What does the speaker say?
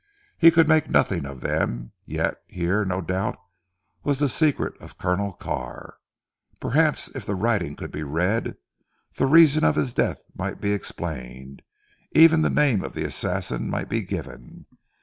He could make nothing of them. Yet here, no doubt, was the secret of Colonel Carr! Perhaps if the writing could be read, the reason of his death might be explained, even the name of the assassin might be given.